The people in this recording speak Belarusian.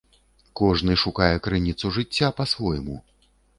Кожны шукае крыніцу жыцця па-свойму.